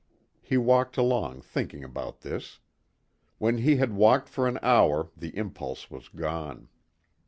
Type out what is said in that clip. He walked along thinking about this. When he had walked for an hour the impulse was gone.